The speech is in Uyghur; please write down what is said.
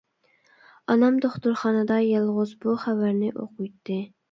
ئانام دوختۇرخانىدا يالغۇز بۇ خەۋەرنى ئوقۇيتتى.